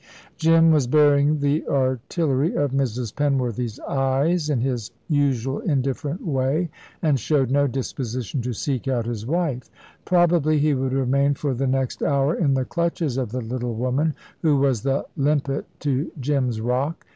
Jim was bearing the artillery of Mrs. Penworthy's eyes in his usual indifferent way, and showed no disposition to seek out his wife. Probably he would remain for the next hour in the clutches of the little woman, who was the limpet to Jim's rock.